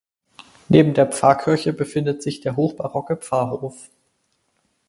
Neben der Pfarrkirche befindet sich der hochbarocke Pfarrhof.